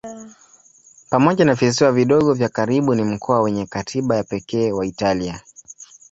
Pamoja na visiwa vidogo vya karibu ni mkoa wenye katiba ya pekee wa Italia.